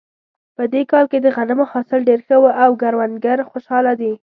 په دې کال کې د غنمو حاصل ډېر ښه و او کروندګر خوشحاله دي